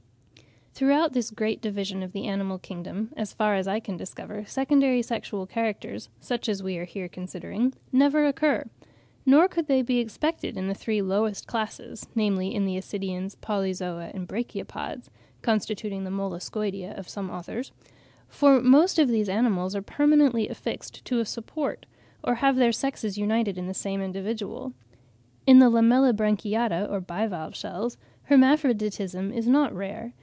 Throughout this great division of the animal kingdom, as far as I can discover, secondary sexual characters, such as we are here considering, never occur. Nor could they be expected in the three lowest classes, namely, in the Ascidians, Polyzoa, and Brachiopods (constituting the Molluscoida of some authors), for most of these animals are permanently affixed to a support or have their sexes united in the same individual. In the Lamellibranchiata, or bivalve shells, hermaphroditism is not rare.